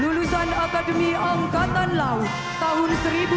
lulusan akademi militer tahun seribu sembilan ratus sembilan puluh enam